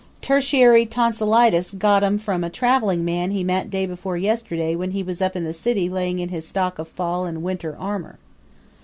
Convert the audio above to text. Tertiary Tonsillitis got 'em from a traveling man he met day before yesterday when he was up in the city laying in his stock of fall and winter armor."